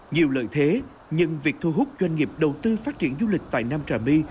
nhiều lợi thế nhưng việc thu hút doanh nghiệp đầu tư phát triển du lịch tại nam trà my